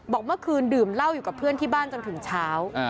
บอกเมื่อคืนดื่มเหล้าอยู่กับเพื่อนที่บ้านจนถึงเช้า